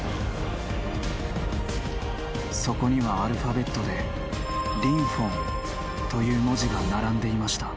「そこにはアルファベットでＲＩＮＦＯＮＥという文字が並んでいました」